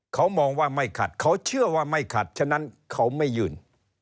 เขามองว่าไม่ขัดเขาเชื่อว่าไม่ขัดฉะนั้นเขาไม่ยืน